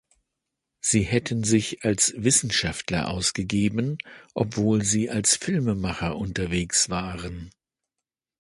Sie hätten sich als Wissenschaftler ausgegeben, obwohl sie als Filmemacher unterwegs waren.